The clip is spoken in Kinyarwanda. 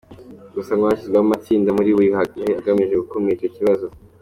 Gusa ngo hashyizweho amatsinda muri buri kagari agamije gukumira icyo kibazo.